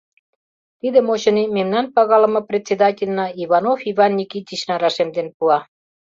Тидым, очыни, мемнан пагалыме председательна Иванов Иван Никитычна рашемден пуа.